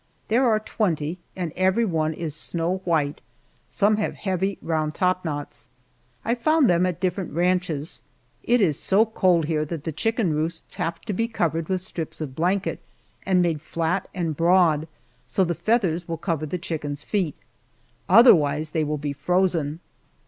There are twenty, and every one is snow white; some have heavy round topknots. I found them at different ranches. It is so cold here that chicken roosts have to be covered with strips of blanket and made flat and broad, so the feathers will cover the chickens' feet, otherwise they will be frozen.